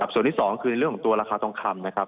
ส่วนที่๒คือเรื่องของตัวราคาทองคำนะครับ